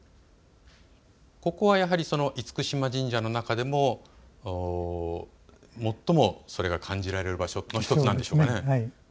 ここはやはり厳島神社の中でも最もそれが感じられる場所の１つなんでしょうかね。